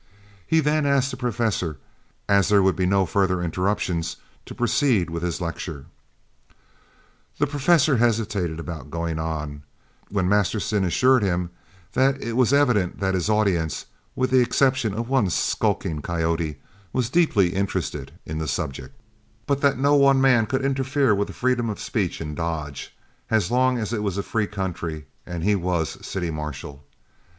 He then asked the professor, as there would be no further interruptions, to proceed with his lecture. The professor hesitated about going on, when Masterson assured him that it was evident that his audience, with the exception of one skulking coyote, was deeply interested in the subject, but that no one man could interfere with the freedom of speech in Dodge as long as it was a free country and he was city marshal.